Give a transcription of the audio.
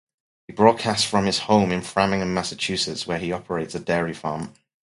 He broadcasts from his home in Framingham, Massachusetts, where he operates a dairy farm.